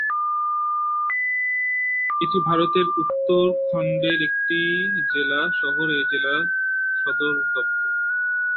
এটি ভারতের উত্তরাখণ্ডের একটি জেলা শহর এবং এই জেলার সদর দপ্তর।